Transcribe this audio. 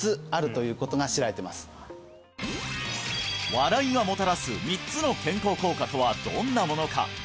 笑いがもたらす３つの健康効果とはどんなものか